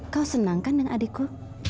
kau senangkan dengan adikku